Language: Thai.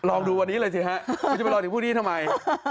ลองดูวันนี้เลยสิฮะไม่จะไปรอถึงพวกนี้ทำไม